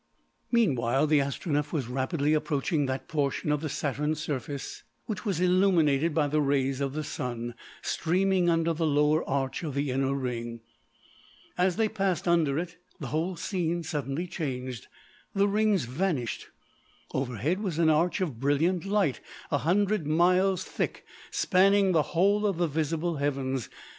Meanwhile the Astronef was rapidly approaching that portion of Saturn's surface which was illuminated by the rays of the Sun, streaming under the lower arch of the inner ring. As they passed under it the whole scene suddenly changed. The rings vanished. Overhead was an arch of brilliant light a hundred miles thick, spanning the whole of the visible heavens.